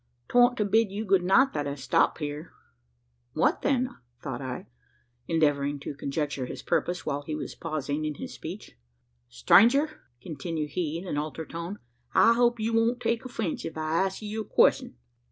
'Twan't to bid you good night, that I stopped here." "What, then?" thought I, endeavouring to conjecture his purpose, while he was pausing in his speech. "Stranger!" continued he in an altered tone, "I hope you won't take offence if I ask you a question?"